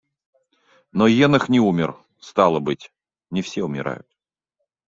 Но Енох не умер, стало быть, не все умирают.